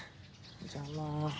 邪魔。